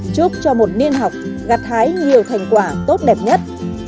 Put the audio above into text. chúc cho một niên học gặt hái nhiều thành quả tốt đẹp nhất